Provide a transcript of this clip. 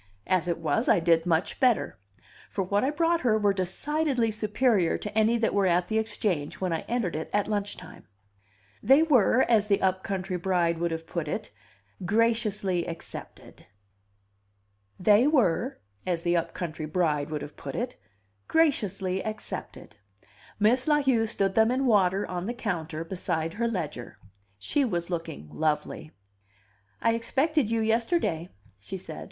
As it was, I did much better; for what I brought her were decidedly superior to any that were at the Exchange when I entered it at lunch time. They were, as the up country bride would have put it, "graciously accepted." Miss La Heu stood them in water on the counter beside her ledger. She was looking lovely. "I expected you yesterday," she said.